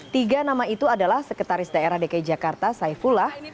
tiga nama itu adalah sekretaris daerah dki jakarta saifullah